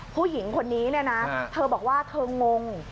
ผู้หญิงคนนี้เนี่ยนะเธอบอกว่าเธองง